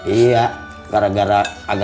iya gara gara agak gue ajak naik mobil gue